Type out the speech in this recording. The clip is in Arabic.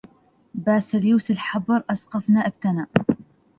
باسيليوس الحبر أسقفنا ابتنى